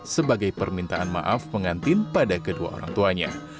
sebagai permintaan maaf pengantin pada kedua orang tuanya